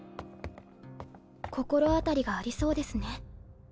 心当たりがありそうですね。